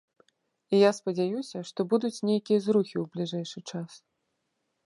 І я спадзяюся, што будуць нейкія зрухі ў бліжэйшы час.